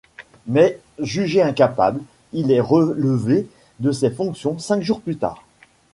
Mais, jugé incapable, il est relevé de ses fonctions cinq jours plus tard.